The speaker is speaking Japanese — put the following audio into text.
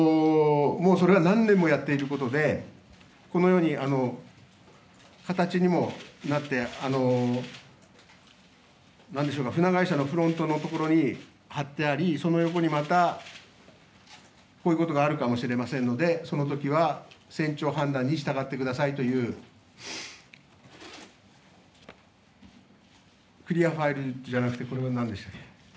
それはもう何年もやっていることでこのように形にもなって船会社のフロントのところに貼ってあり、その横にまたこういうことがあるかもしれませんのでそのときは船長判断に従ってくださいというクリアファイルじゃなくてこれは何でしたっけ？